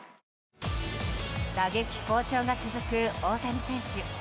打撃好調が続く大谷選手。